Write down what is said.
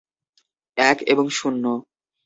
এক এবং শূন্য।